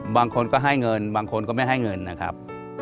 บางคนก็ให้เงินบางคนก็ไม่ให้เงินนะครับ